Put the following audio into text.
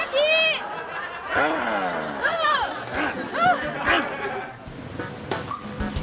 kenapa gak bilang dari tadi